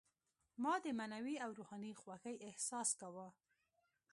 ما د معنوي او روحاني خوښۍ احساس کاوه.